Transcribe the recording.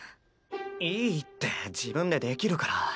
いいって自分でできるから。